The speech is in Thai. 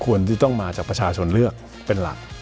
ที่ต้องมาจากประชาชนเลือกเป็นหลัก